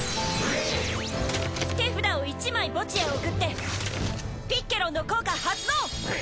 手札を１枚墓地へ送ってピッケロンの効果発動！